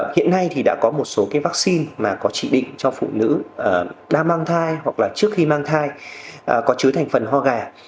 hiện nay đã có một số vaccine có chỉ định cho phụ nữ đang mang thai hoặc trước khi mang thai có chứa thành phần hoa gà